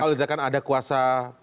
kalau tidak akan ada kuasa